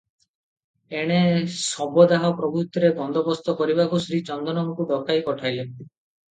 ଏଣେ ଶବଦାହ ପ୍ରଭୃତିର ବନ୍ଦୋବସ୍ତ କରିବାକୁ ଶ୍ରୀ ଚନ୍ଦନଙ୍କୁ ଡକାଇ ପଠାଇଲେ ।